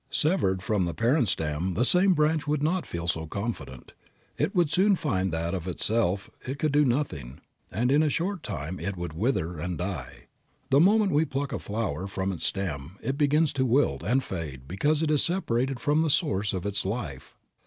Severed from the parent stem the same branch would not feel so confident. It would soon find that of itself it could do nothing; and in a short time it would wither and die. The moment we pluck a flower from its stem it begins to wilt and fade because it is separated from the source of its life.